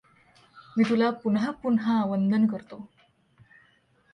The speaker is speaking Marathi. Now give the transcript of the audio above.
मी तुला पुनःपुन्हा वंदन करतो.